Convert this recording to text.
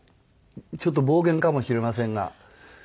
ちょっと暴言かもしれませんが。